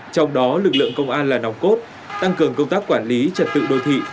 trong đó lực lượng công an là nòng cốt tăng cường công tác quản lý trật tự đô thị